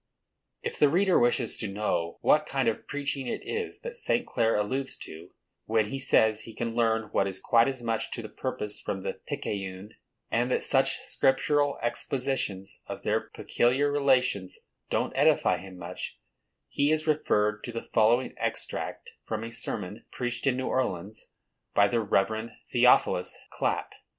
If the reader wishes to know what kind of preaching it is that St. Clare alludes to, when he says he can learn what is quite as much to the purpose from the Picayune, and that such scriptural expositions of their peculiar relations don't edify him much, he is referred to the following extract from a sermon preached in New Orleans, by the Rev. Theophilus Clapp.